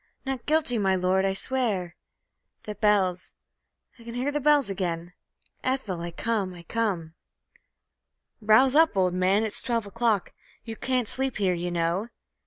NOT GUILTY, my Lord, I swear... The bells I can hear the bells again!... Ethel, I come, I come!... "Rouse up, old man, it's twelve o'clock. You can't sleep here, you know.